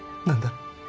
何だ？